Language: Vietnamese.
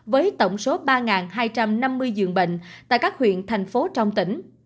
với tổng số ba hai trăm năm mươi giường bệnh tại các huyện thành phố trong tỉnh